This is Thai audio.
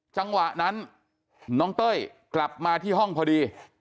จังหวะนั้นน้องเต้ยกลับมาที่ห้องพอดี